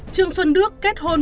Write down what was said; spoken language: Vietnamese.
trương xuân đức kết hôn